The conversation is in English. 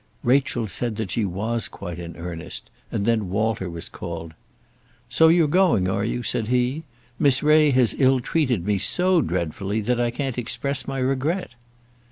Rachel said that she was quite in earnest, and then Walter was called. "So you're going, are you?" said he. "Miss Ray has ill treated me so dreadfully that I can't express my regret."